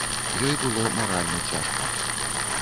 Ёй было маральна цяжка.